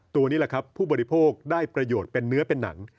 ตัวนี้แหละครับผู้บริโภคได้ประโยชน์เป็นเนื้อเป็นหนัง